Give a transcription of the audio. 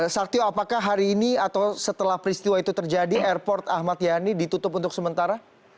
saktio apakah hari ini atau setelah peristiwa itu terjadi airport ahmad yani ditutup untuk sementara